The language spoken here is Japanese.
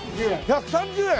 １３０円！